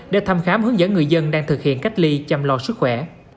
để thăm khám hướng dẫn người dân đang thực hiện cách ly chăm lo sức khỏe